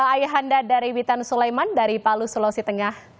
ayahanda dari witan sulaiman dari palu sulawesi tengah